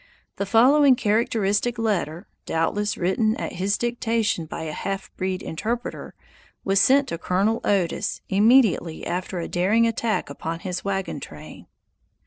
The following characteristic letter, doubtless written at his dictation by a half breed interpreter, was sent to Colonel Otis immediately after a daring attack upon his wagon train.